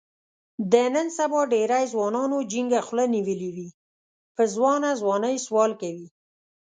د نن سبا ډېری ځوانانو جینګه خوله نیولې وي، په ځوانه ځوانۍ سوال کوي.